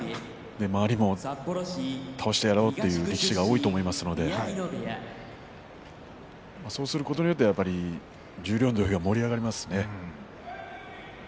周りも倒してやろうという力士が多いと思いますがそうすることによって、やっぱり十両の土俵が盛り上がりますね。